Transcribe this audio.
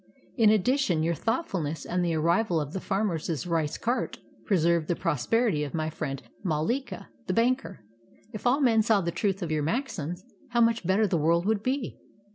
In addition, your thoughtfulness and the arrival of the farmer's rice cart preserved the prosperity of my friend Mallika, the banker. If all men saw the truth of your maxims, how much better the world would be